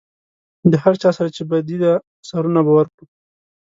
د هر چا سره چې بدي ده سرونه به ورکړو.